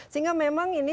sehingga memang ini